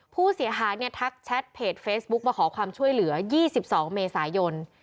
ผู้เสียหายเนี่ยทักแชทเพจเฟซบุ๊กมาขอความช่วยเหลือ๒๒เมษายน